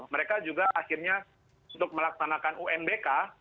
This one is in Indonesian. mereka juga akhirnya untuk melaksanakan unbk